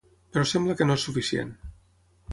Però sembla que no és suficient.